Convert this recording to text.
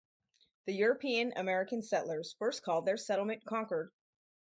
The European-American settlers first called their settlement Concord.